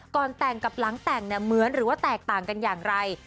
ก่อนแต่งกับหลังแต่งเนี่ยเหมือนหรือว่าแตกต่างกันอย่างไร